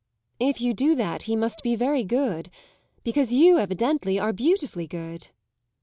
"If you do that he must be very good because you, evidently, are beautifully good."